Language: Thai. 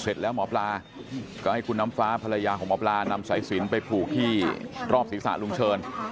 เสร็จแล้วหมอปลาก็ให้คุณน้ำฟ้าภรรยาของหมอปลานำสายสินไปผูกที่รอบศีรษะลุงเชิญ